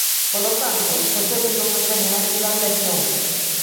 Polo tanto, vostedes non nos veñan aquí dar leccións.